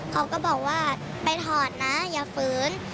เขาก็บอกว่าไปถอดนะอย่าฝืน